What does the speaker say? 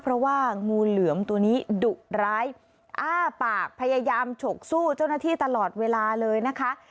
เพราะว่างูเหลือมตัวนี้ดุร้ายอ้าปากพยายามฉกสู้เจ้าหน้าที่ตลอดเวลาเลยนะคะ